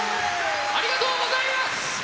ありがとうございます。